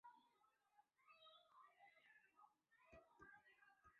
他同时也是布拉汉姆车队其中一位创始者。